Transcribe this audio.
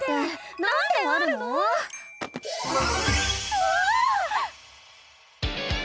うわ！